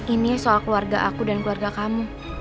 ini soal keluarga aku dan keluarga kamu